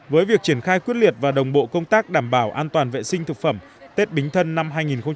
với việc triển khai quyết liệt và đồng bộ công tác đảm bảo an toàn vệ sinh thực phẩm tết bính thân năm hai nghìn hai mươi